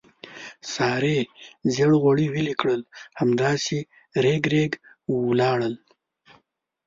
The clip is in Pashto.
سارې زېړ غوړي ویلې کړل، همداسې رېګ رېګ ولاړل.